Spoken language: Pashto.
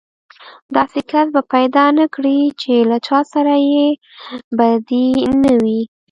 داسې کس به پيدا نه کړې چې له چا سره يې بدي نه وي.